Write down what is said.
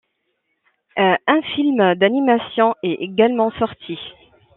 Un film d'animation est également sorti.